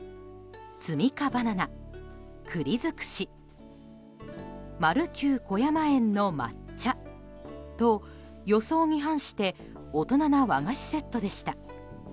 摘み果バナナ、栗尽丸久小山園の抹茶と予想に反して大人な和菓子セットでした。